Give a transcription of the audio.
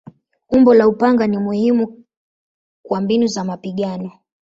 Umbo la upanga ni muhimu kwa mbinu za mapigano.